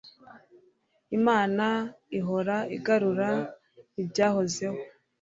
imana ihora igarura ibyahozeho